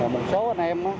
một số anh em